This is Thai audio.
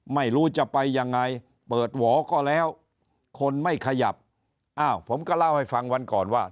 ไม่รู้จะไปยังไงเปิดหวอก็แล้วคนไม่ขยับอ้าวผมก็เล่าให้ฟังวันก่อนว่า